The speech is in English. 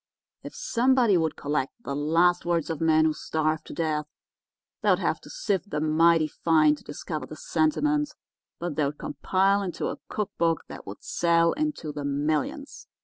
If somebody would collect the last words of men who starved to death, they'd have to sift 'em mighty fine to discover the sentiment, but they'd compile into a cook book that would sell into the millions.